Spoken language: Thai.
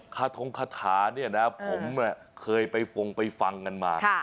ทงคาถาเนี่ยนะผมเคยไปฟงไปฟังกันมา